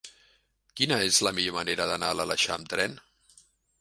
Quina és la millor manera d'anar a l'Aleixar amb tren?